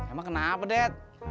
emang kenapa dad